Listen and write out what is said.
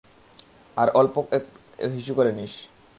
আরে অল্প একটু হিসু করে নিও।